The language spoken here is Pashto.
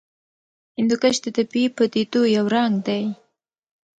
هندوکش د طبیعي پدیدو یو رنګ دی.